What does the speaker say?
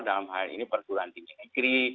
dalam hal ini perguruan tinggi negeri